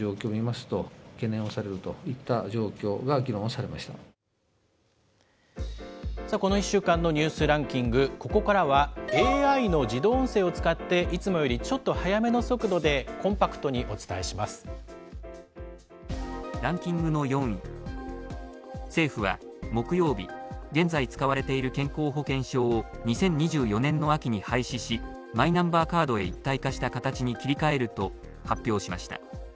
さあ、この１週間のニュースランキング、ここからは、ＡＩの自動音声を使って、いつもよりちょっと速めの速度でコンパランキングの４位、政府は木曜日、現在使われている健康保険証を２０２４年の秋に廃止し、マイナンバーカードへ一体化した形に切り替えると発表しました。